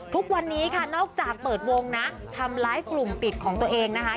ทุกวันนี้ค่ะนอกจากเปิดวงนะทำไลฟ์กลุ่มปิดของตัวเองนะคะ